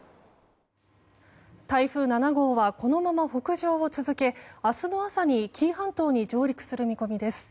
台風７号はこのあとも北上を続け明日の朝に紀伊半島に上陸する見込みです。